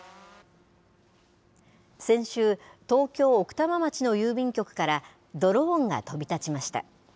先週、東京・奥多摩町の郵便局から、ドローンが飛び立ちました。